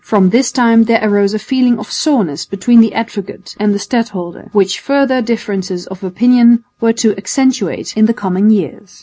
From this time there arose a feeling of soreness between the advocate and the stadholder, which further differences of opinion were to accentuate in the coming years.